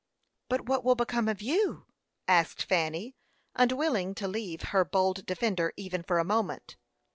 "But what will become of you?" asked Fanny, unwilling to leave her bold defender even for a moment.